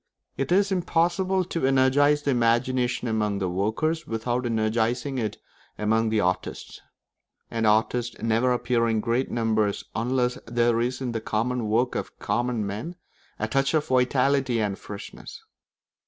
It is impossible to energise the imagination among the workers without energising it among the artists; and artists never appear in great numbers unless there is in the common work of common men a touch of vitality and freshness.